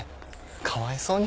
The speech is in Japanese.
かわいそうに。